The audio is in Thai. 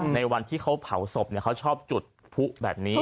ในวันที่เขาเผาศพเขาชอบจุดผู้แบบนี้